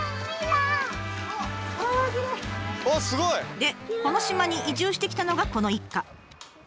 でこの島に移住してきたのがこの一家。